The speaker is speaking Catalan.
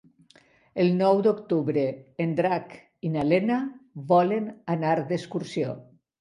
El nou d'octubre en Drac i na Lena volen anar d'excursió.